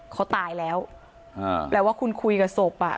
เขาตายแล้วอ่าแปลว่าคุณคุยกับศพอ่ะ